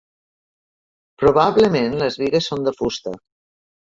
Probablement les bigues són de fusta.